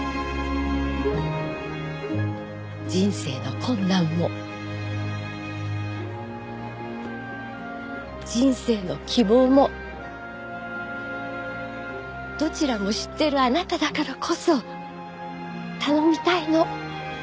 人生の困難も人生の希望もどちらも知ってるあなただからこそ頼みたいの。